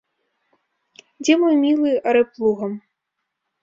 Дзе мой мілы арэ плугам.